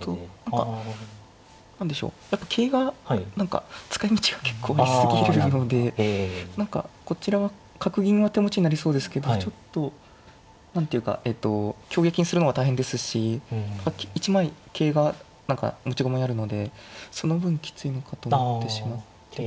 何か何でしょうやっぱ桂が何か使いみちが結構ありすぎるので何かこちらは角銀が手持ちになりそうですけどちょっと何ていうかえっと挟撃にするのは大変ですし１枚桂が何か持ち駒にあるのでその分きついのかと思ってしまって。